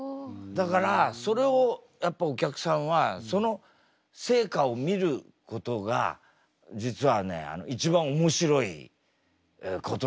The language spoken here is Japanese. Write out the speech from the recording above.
だからそれをやっぱお客さんはその成果を見ることが実はね一番面白いことなんだよ。